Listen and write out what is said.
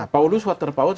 pak ulus waktu terpaut